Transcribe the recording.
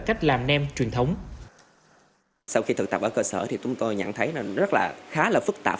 cách làm nem truyền thống sau khi thực tập ở cơ sở thì chúng tôi nhận thấy nó rất là khá là phức tạp